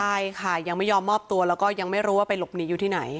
ใช่ค่ะยังไม่ยอมมอบตัวแล้วก็ยังไม่รู้ว่าไปหลบหนีอยู่ที่ไหน